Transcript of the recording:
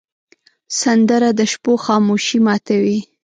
سندره د شپو خاموشي ماتوې